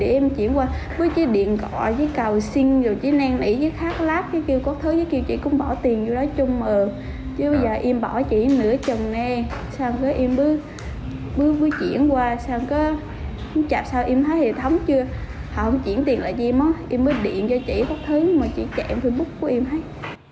dễ thì để em chuyển qua bố chị điện gọi với cầu xin rồi chị nang nỉ với khác lát kêu có thứ với kêu chị cũng bỏ tiền vô đó chung mượn chứ bây giờ em bỏ chị nửa trần nè sao có em bước chuyển qua sao có chạp sao em thấy hệ thống chưa họ không chuyển tiền lại với em em mới điện cho chị có thứ mà chị chạy facebook của em hết